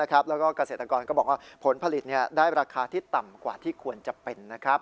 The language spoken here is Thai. แล้วก็เกษตรกรก็บอกว่าผลผลิตได้ราคาที่ต่ำกว่าที่ควรจะเป็น